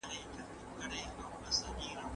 زه لوښي نه وچوم!؟